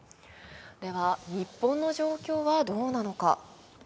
では、日本の状況はどうなのか。